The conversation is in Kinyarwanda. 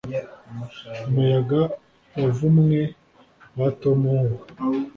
Umuyaga wavumwe wa atome uhuha